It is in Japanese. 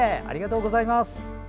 ありがとうございます。